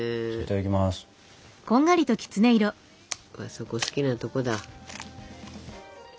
そこ好きなとこだ。